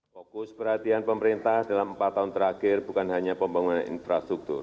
fokus perhatian pemerintah dalam empat tahun terakhir bukan hanya pembangunan infrastruktur